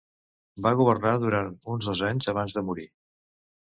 Va governar durant uns dos anys abans de morir.